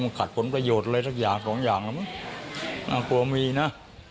มันขัดผลประโยชน์อะไรสักอย่างสองอย่างมั้งน่ากลัวมีนะ